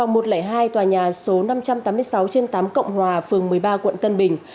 tòa một trăm linh hai tòa nhà số năm trăm tám mươi sáu trên tám cộng hòa phường một mươi ba quận tân bình